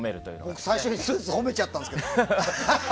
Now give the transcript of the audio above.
僕、最初に褒めちゃったんですけど。